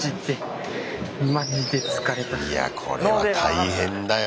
いやこれは大変だよ